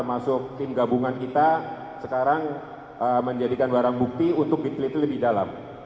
masuk tim gabungan kita sekarang menjadikan barang bukti untuk diteliti lebih dalam